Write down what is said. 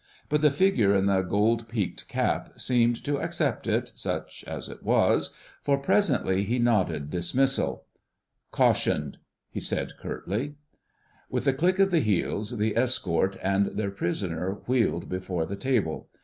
But the figure in the gold peaked cap seemed to accept it, such as it was, for presently he nodded dismissal. "Cautioned," he said curtly. With a click of the heels, the escort and their prisoner wheeled before the table.